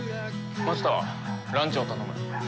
マスターランチを頼む。